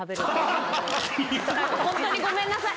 本当にごめんなさい！